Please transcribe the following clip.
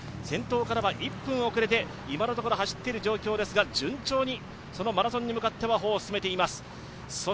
先頭からは１分遅れて今のところ走っているというところですが順調にマラソンに向かっては歩を進めています。